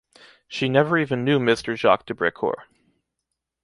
She never even knew Mr. Jacques de Brécourt.